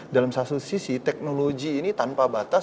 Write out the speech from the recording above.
dalam satu sisi teknologi ini tanpa batas